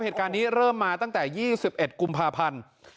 เหตุการณ์นี้เริ่มมาตั้งแต่๒๑กุมภาพันธ์